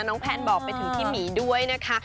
แพนบอกไปถึงพี่หมีด้วยนะคะ